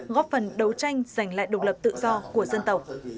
góp phần đấu tranh giành lại độc lập tự do của dân tộc